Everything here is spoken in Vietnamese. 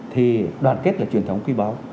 thì đoàn kết là truyền thống quy báo